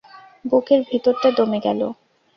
বুকের ভিতরটা দমে গেল।